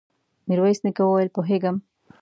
ميرويس نيکه وويل: پوهېږم.